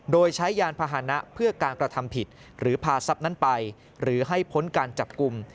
โดยใช้ยานพาหนะเพื่อการกระทำผิดหรือพาทรัพย์นั้นไปหรือให้พ้นการจับกลุ่ม